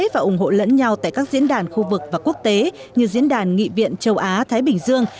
và ủng hộ lẫn nhau tại các diễn đàn khu vực và quốc tế như diễn đàn nghị viện châu á thái bình dương